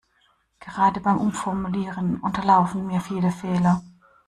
Gerade beim Umformulieren unterlaufen mir viele Fehler.